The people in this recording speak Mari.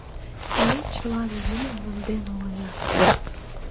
— Ме чылан юмым монден улына.